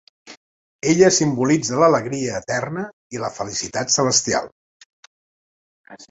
Ella simbolitza l'alegria eterna i la felicitat celestial.